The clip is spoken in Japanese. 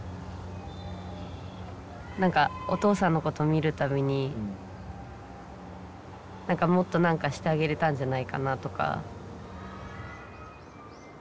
何かお父さんのことを見るたびにもっと何かしてあげれたんじゃないかなとか。